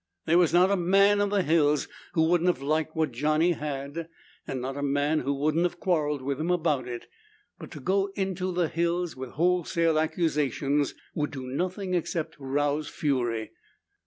There was not a man in the hills who wouldn't have liked what Johnny had and not a man who wouldn't have quarreled with him about it. But to go into the hills with wholesale accusations would do nothing except rouse fury.